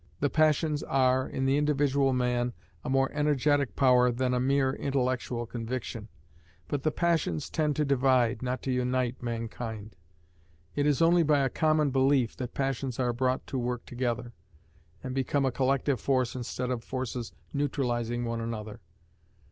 The passions are, in the individual man, a more energetic power than a mere intellectual conviction; but the passions tend to divide, not to unite, mankind: it is only by a common belief that passions are brought to work together, and become a collective force instead of forces neutralizing one another.